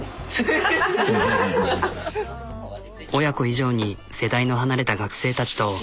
親子以上に世代の離れた学生たちと。